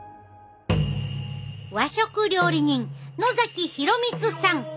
和食料理人野洋光さん。